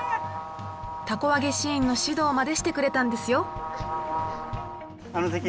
凧あげシーンの指導までしてくれたんですよ。